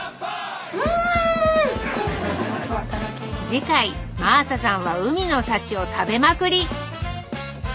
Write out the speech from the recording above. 次回真麻さんは海の幸を食べまくり。